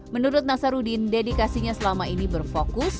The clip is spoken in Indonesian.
menurut nasaruddin dedikasinya selama ini berfokus